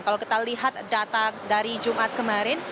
kalau kita lihat data dari jumat kemarin